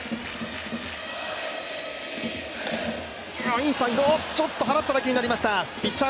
インサイド、ちょっと払っただけになりました。